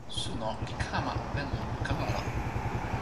suno li kama open lon poka walo.